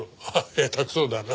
下手くそだな。